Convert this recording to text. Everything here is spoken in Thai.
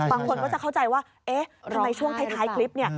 บางคนก็จะเข้าใจว่าเอ๊ะทำไมช่วงท้ายคลิปเนี่ย